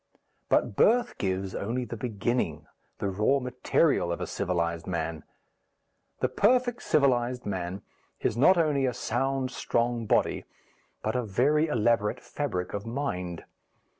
But birth gives only the beginning, the raw material, of a civilized man. The perfect civilized man is not only a sound strong body but a very elaborate fabric of mind.